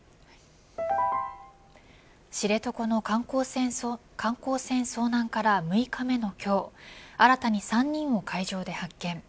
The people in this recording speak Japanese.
知床の観光船遭難から６日目の今日新たに３人を海上で発見。